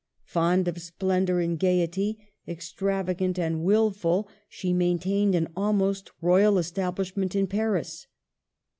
Fond of splendor and gayety, ex travagant and wilful, she maintained an almost royal establishment in Paris.